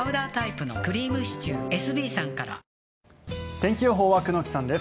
天気予報は久能木さんです。